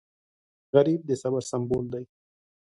غریب د صبر سمبول دی